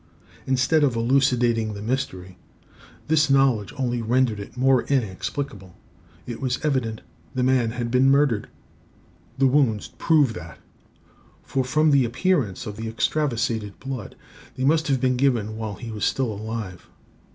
Instead of elucidating the mystery, this knowledge only rendered it more inexplicable. It was evident the man had been murdered. The wounds proved that; for from the appearance of the extravasated blood they must have been given while he was still alive.